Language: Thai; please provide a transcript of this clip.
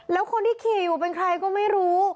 แล้วคนที่ขี่อยู่เป็นใครก็ไม่รู้